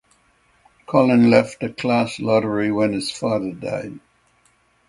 Collin left the Class Lottery when his father died.